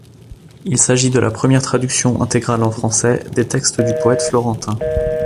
Il s'agit de la première traduction intégrale en français des textes du poète florentin.